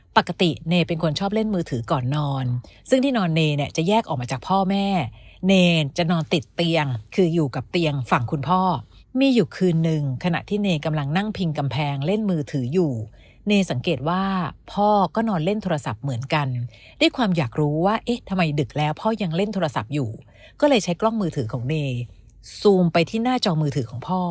ปกติเนยเป็นคนชอบเล่นมือถือก่อนนอนซึ่งที่นอนเนเนี่ยจะแยกออกมาจากพ่อแม่เนรจะนอนติดเตียงคืออยู่กับเตียงฝั่งคุณพ่อมีอยู่คืนนึงขณะที่เนกำลังนั่งพิงกำแพงเล่นมือถืออยู่เนสังเกตว่าพ่อก็นอนเล่นโทรศัพท์เหมือนกันด้วยความอยากรู้ว่าเอ๊ะทำไมดึกแล้วพ่อยังเล่นโทรศัพท์อยู่ก็เลยใช้กล้องมือถือของเนยซูมไปที่หน้าจอมือถือของพ่อ